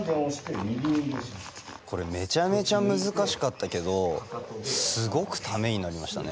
これめちゃめちゃ難しかったけどすごくためになりましたね。